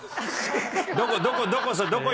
どこどこ？